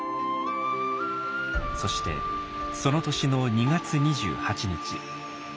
そしてその年の２月２８日。